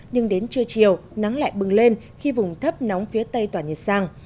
nhưng đến trưa chiều nắng lại bừng lên khi vùng thấp nóng phía tây tỏa nhiệt sang